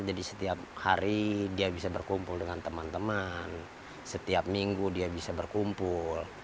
jadi setiap hari dia bisa berkumpul dengan teman teman setiap minggu dia bisa berkumpul